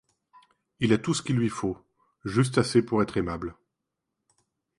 Il a tout ce qu'il lui faut, juste assez pour être aimable.